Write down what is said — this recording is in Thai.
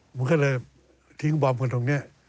มันก็เลยทิ้งบอมกันตรงนี้